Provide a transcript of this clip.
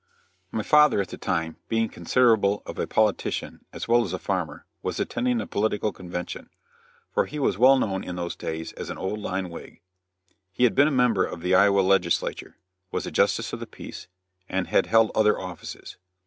My father at the time, being considerable of a politician as well as a farmer, was attending a political convention; for he was well known in those days as an old line Whig. He had been a member of the Iowa legislature, was a Justice of the Peace, and had held other offices.